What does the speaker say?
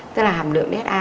tức là hàm lượng dha